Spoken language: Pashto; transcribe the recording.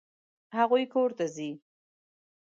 هغوی کور ته ځي.